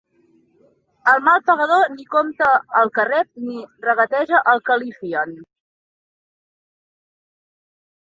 El mal pagador ni compta el que rep ni regateja el que li fien.